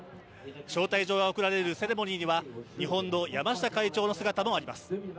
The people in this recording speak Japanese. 招待状が送られるセレモニーには日本の山下会長の姿もあります。